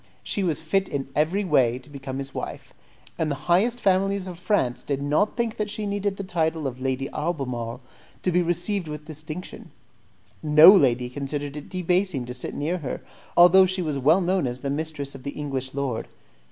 She was fit in every way to become his wife, and the highest families of France did not think that she needed the title of Lady Albemarle to be received with distinction; no lady considered it debasing to sit near her, although she was well known as the mistress of the English lord.